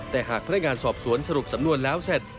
แต่หากพนักงานสอบสวนสรุปสำนวนแล้วเสร็จ